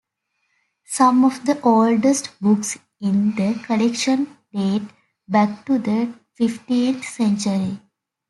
Some of the oldest books in the collection date back to the fifteenth century.